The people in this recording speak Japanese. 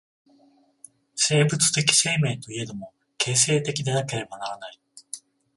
生物的生命といえども、形成的でなければならない。